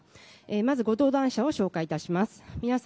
まずご登壇者をご紹介いたします。